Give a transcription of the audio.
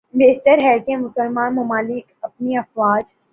بہتر ہے کہ مسلمان ممالک اپنی افواج